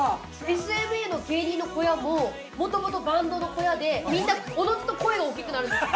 ◆ＳＭＡの芸人の小屋ももともとバンドの小屋でみんな、おのずと声が大きくなるんですよ